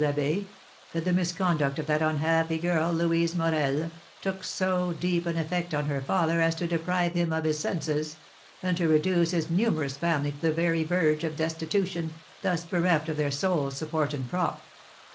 l'Abbé, that the misconduct of that unhappy girl, Louise Morel, took so deep an effect on her father as to deprive him of his senses, and to reduce his numerous family to the very verge of destitution, thus bereft of their sole support and prop.